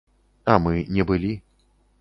А мы не былі.